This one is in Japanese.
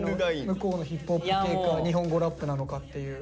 向こうのヒップホップ系か日本語ラップなのかっていう。